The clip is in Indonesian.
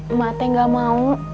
emang teh gak mau